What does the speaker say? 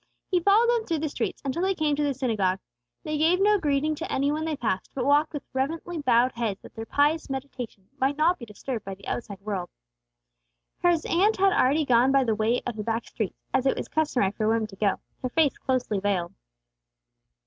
He followed them through the streets until they came to the synagogue. They gave no greeting to any one they passed, but walked with reverently bowed heads that their pious meditation might not be disturbed by the outside world. His aunt had already gone by the way of the back streets, as it was customary for women to go, her face closely veiled.